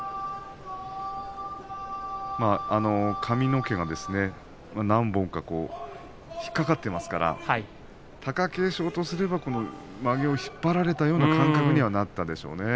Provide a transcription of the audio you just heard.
髪の毛が何本か引っ掛かっていますから貴景勝とすればまげを引っ張られたような感覚になったでしょうね。